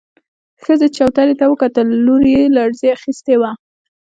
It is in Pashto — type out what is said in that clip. ښځې چوترې ته وکتل، لور يې لړزې اخيستې وه.